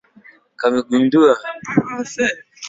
hewa hakulingani ulimwenguni na katika mikoa Hii ni kwa sababu